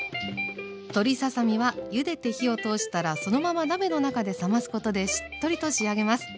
鶏ささ身はゆでて火を通したらそのまま鍋の中で冷ますことでしっとりと仕上げます。